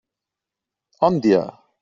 Òndia!